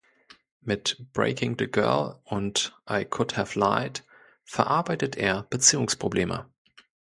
Mit "Breaking the Girl" und "I Could Have Lied" verarbeitet er Beziehungsprobleme.